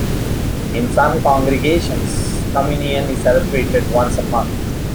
In some congregations communion is celebrated once a month.